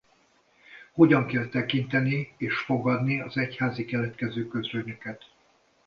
Hogy kell tekinteni és fogadni az egyházi keletkező közlönyöket?